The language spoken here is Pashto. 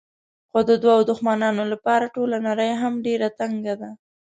خو د دوو دښمنانو لپاره ټوله نړۍ هم ډېره تنګه ده.